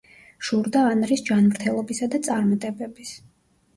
შურდა ანრის ჯანმრთელობისა და წარმატებების.